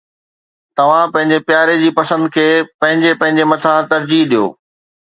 توھان پنھنجي پياري جي پسند کي پنھنجي پنھنجي مٿان ترجيح ڏيو.